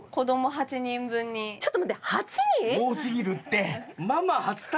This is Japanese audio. ちょっと待って。